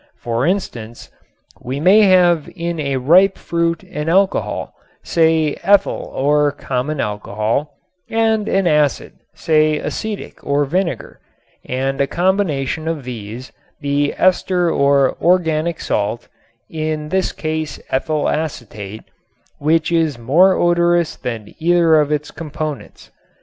For instance, we may have in a ripe fruit an alcohol (say ethyl or common alcohol) and an acid (say acetic or vinegar) and a combination of these, the ester or organic salt (in this case ethyl acetate), which is more odorous than either of its components.